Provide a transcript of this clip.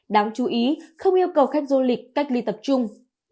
đáng chú ý không yêu cầu khách du lịch cách ly tập trung